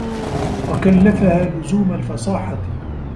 وَكَلَّفَهَا لُزُومَ الْفَصَاحَةِ